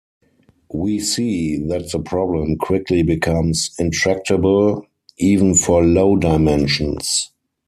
We see that the problem quickly becomes intractable, even for low dimensions.